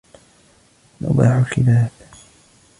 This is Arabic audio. نباح الكلاب